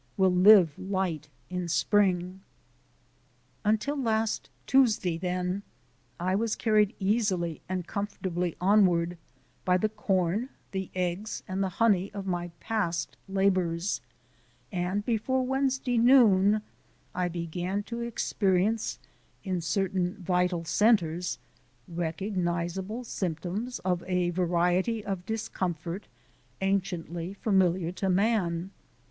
We'll live light in spring! Until last Tuesday, then, I was carried easily and comfortably onward by the corn, the eggs, and the honey of my past labours, and before Wednesday noon I began to experience in certain vital centres recognizable symptoms of a variety of discomfort anciently familiar to man.